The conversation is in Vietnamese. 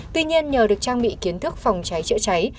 tuy nhiên nhờ được trang bị kiến thức phòng cháy chữa cháy